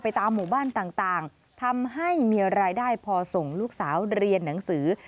ตามหมู่บ้านต่างทำให้มีรายได้พอส่งลูกสาวเรียนหนังสือ